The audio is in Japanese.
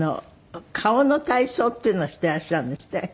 顔の体操っていうのをしていらっしゃるんですって？